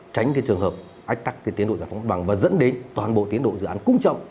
tránh trường hợp ách tắc tiến độ giải phóng mất bằng và dẫn đến toàn bộ tiến độ dự án cung trọng